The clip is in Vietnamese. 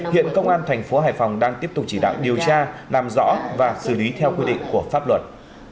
hiện công an thành phố hải phòng đang tiếp tục chỉ đạo điều tra làm rõ và xử lý theo quy định của pháp luật